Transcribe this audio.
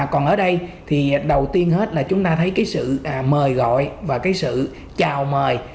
còn ở đây thì đầu tiên hết là chúng ta thấy cái sự mời gọi và cái sự chào mời